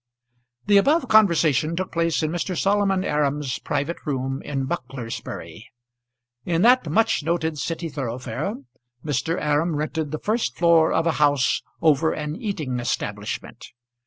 The above conversation took place in Mr. Solomon Aram's private room in Bucklersbury. In that much noted city thoroughfare Mr. Aram rented the first floor of a house over an eating establishment.